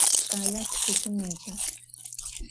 Ç'aler txılhım yêce.